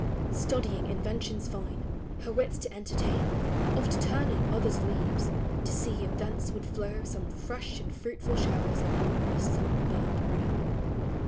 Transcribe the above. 343 Studying inventions fine, her wits to entertain, Oft turning others' leaves, to see if thence would flow Some fresh and fruitful showers upon my sun burned brain.